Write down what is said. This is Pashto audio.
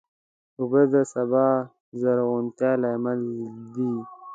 اوبه د سبا د زرغونتیا لامل دي.